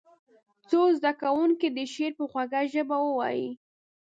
څو زده کوونکي دې شعر په خوږه ژبه ووایي.